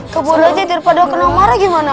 kebun aja daripada kena marah gimana